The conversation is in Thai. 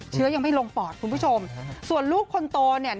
เชื้อยังไม่ลงปอดคุณผู้ชมส่วนลูกคนโตเนี่ย